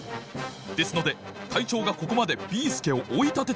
ですので隊長がここまでビーすけをおいたててください。